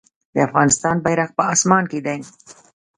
د افغانستان بیرغ په اسمان کې دی